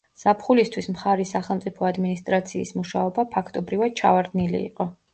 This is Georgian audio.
ზაფხულისთვის მხარის სახელმწიფო ადმინისტრაციის მუშაობა, ფაქტობრივად, ჩავარდნილი იყო.